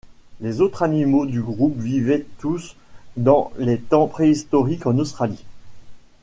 Les autres animaux du groupe vivaient tous dans les temps préhistoriques en Australie.